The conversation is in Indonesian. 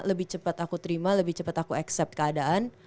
lebih cepat aku terima lebih cepat aku accept keadaan